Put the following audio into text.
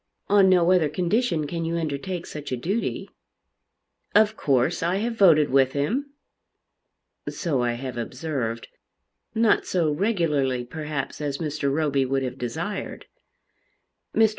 On no other condition can you undertake such a duty." "Of course I have voted with him." "So I have observed, not so regularly perhaps as Mr. Roby would have desired." Mr.